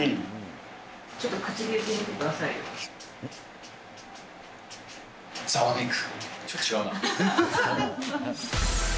ちょっと口で言ってみてくだざわめく。